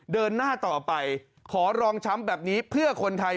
เดินหน้าต่อไปขอรองช้ำแบบนี้เพื่อคนไทย